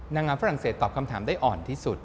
นางงามฝรั่งเศสตอบคำถามได้อ่อนที่สุด